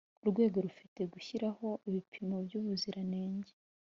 Urwego rufite gushyiraho ibipimo by ubuziranenge